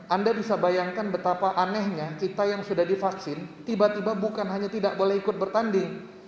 anda bisa bayangkan betapa anehnya kita yang sudah divaksin tiba tiba bukan hanya tidak boleh ikut bertanding